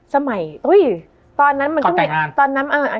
สมัยอุ้ยตอนนั้นมันก็มี